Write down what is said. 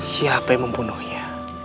siapa yang membunuhnya